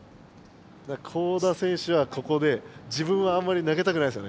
江田選手はここで自分はあんまり投げたくないですよね。